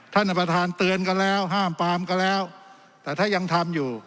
ท่านประธานเตือนกันแล้วห้ามปามก็แล้วแต่ถ้ายังทำอยู่